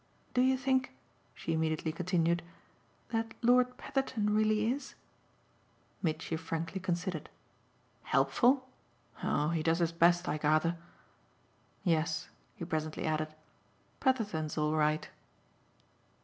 Do you think," she immediately continued, "that Lord Petherton really is?" Mitchy frankly considered. "Helpful? Oh he does his best, I gather. Yes," he presently added "Petherton's all right."